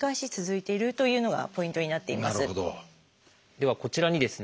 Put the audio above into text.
ではこちらにですね